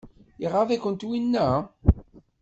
Iɣaḍ-ikent winna?